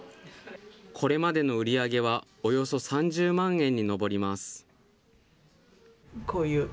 これまでの売り上げはおよそ３０万円に上ります。